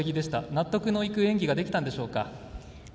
納得のいく演技ができたんでしょうか？